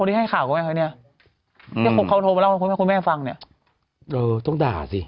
ไอ้เนี้ยอืมเขาโทรมาแล้วคุณแม่คุณแม่ฟังเนี้ยเออต้องด่าสิ